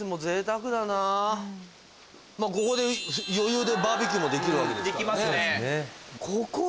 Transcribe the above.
ここで余裕でバーベキューもできるわけですからね。